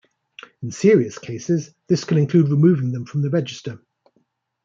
In serious cases, this can include removing them from the register.